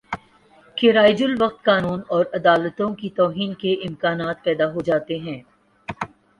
کہ رائج الوقت قانون اور عدالتوں کی توہین کے امکانات پیدا ہو جاتے ہیں